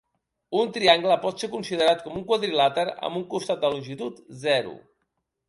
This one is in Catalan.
Un triangle pot ser considerat com un quadrilàter amb un costat de longitud zero.